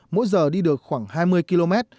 mỗi giờ đi được khoảng hai mươi km